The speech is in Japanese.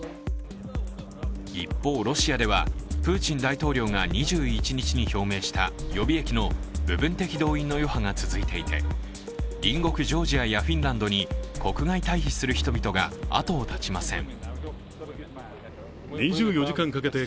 一方、ロシアではプーチン大統領が２１日に表明した予備役の部分的動員の余波が続いていて隣国ジョージアやフィンランドに国外退避する人々が後を絶ちません。